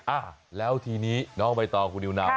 อ่ะแล้วทีนี้น้องไปต่อคุณยูนาวครับ